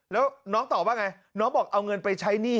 แล้วน้องตอบว่าไงน้องบอกเอาเงินไปใช้หนี้